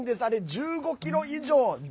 １５ｋｇ以上で。